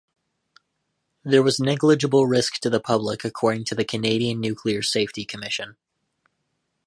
There was negligible risk to the public according to the Canadian Nuclear Safety Commission.